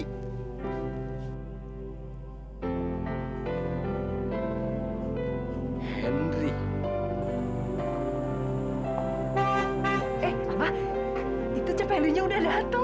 eh apa itu capeknya udah datang